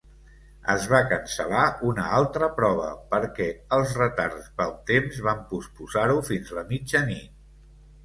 Es va cancel·lar una altra prova perquè els retards pel temps van posposar-ho fins la mitjanit.